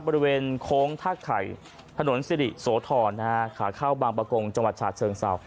บริเวณโค้งท่าไข่ถนนสิริโสธรขาเข้าบางประกงจังหวัดฉาเชิงเศร้า